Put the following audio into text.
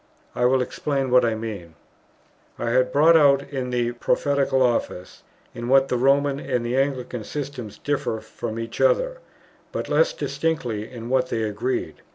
I will explain what I mean. I had brought out in the "Prophetical Office" in what the Roman and the Anglican systems differed from each other, but less distinctly in what they agreed.